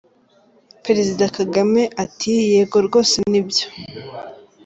Perezida Kagame ati :”Yego rwose ni byo.